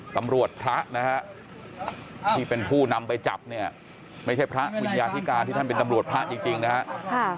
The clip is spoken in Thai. พระนะฮะที่เป็นผู้นำไปจับเนี่ยไม่ใช่พระวิญญาธิการที่ท่านเป็นตำรวจพระจริงนะครับ